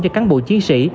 cho cán bộ chiến sĩ